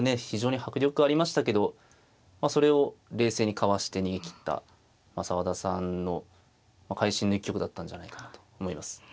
非常に迫力ありましたけどそれを冷静にかわして逃げきった澤田さんの会心の一局だったんじゃないかなと思います。